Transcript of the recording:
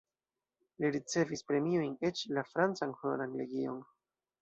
Li ricevis premiojn, eĉ la francan Honoran legion.